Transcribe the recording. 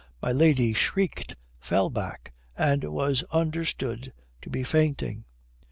My lady shrieked, fell back, and was understood to be fainting.